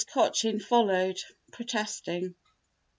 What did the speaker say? Cochin followed, protesting.